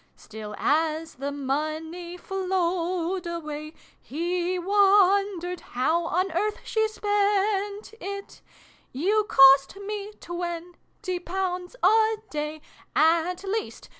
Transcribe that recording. Still, as the money flozved away, He wondered how on earth she spent it, " You cost me tiventy pounds a day, At least